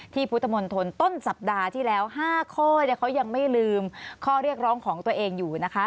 พุทธมนตรต้นสัปดาห์ที่แล้ว๕ข้อเขายังไม่ลืมข้อเรียกร้องของตัวเองอยู่นะคะ